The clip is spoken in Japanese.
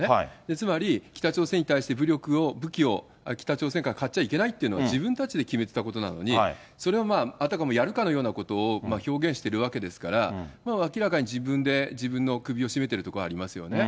つまり北朝鮮に対して武力を、武器を北朝鮮から買っちゃいけないというのは、自分たちで決めてたことなのに、それをあたかもやるかのようなことを表現しているわけですから、明らかに自分で自分の首を絞めているところはありますよね。